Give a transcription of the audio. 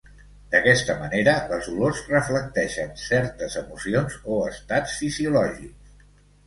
D'aquesta manera les olors reflecteixen certes emocions o Estats fisiològics.